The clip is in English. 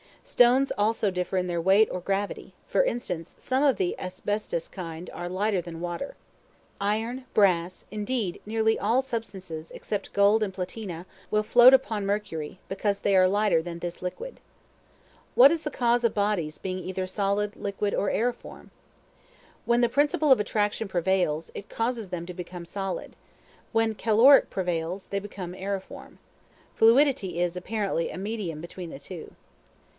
Stones also differ in their weight or gravity: for instance, some of the asbestus kind are lighter than water. Iron, brass, indeed, nearly all substances, except gold and platina, will float upon mercury, because they are lighter than this liquid. What is the cause of bodies being either solid, liquid, or aeriform? When the principle of attraction prevails, it causes them to become solid; when caloric prevails, they become aeriform. Fluidity is, apparently, a medium between the two.